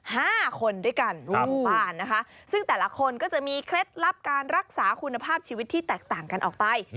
ห้าคนด้วยกันรอบบ้านนะคะซึ่งแต่ละคนก็จะมีเคล็ดลับการรักษาคุณภาพชีวิตที่แตกต่างกันออกไป